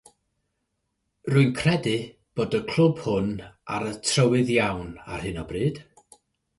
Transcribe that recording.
Rwy'n credu bod y clwb hwn ar y trywydd iawn ar hyn o bryd.